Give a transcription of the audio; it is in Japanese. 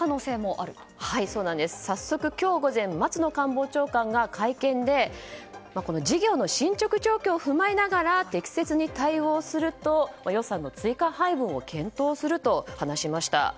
早速、今日午前松野官房長官が会見で事業の進捗状況を踏まえながら適切に対応すると予算の追加配分を検討すると話しました。